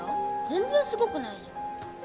全然すごくないじゃん。